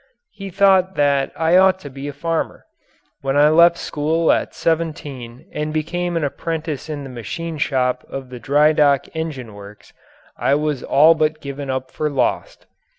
He thought that I ought to be a farmer. When I left school at seventeen and became an apprentice in the machine shop of the Drydock Engine Works I was all but given up for lost.